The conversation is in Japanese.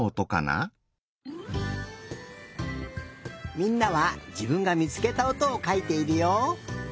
みんなはじぶんがみつけたおとをかいているよ。